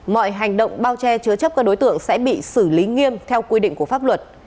mọi hành động bao che chứa chấp các đối tượng sẽ bị xử lý nghiêm theo quy định của pháp luật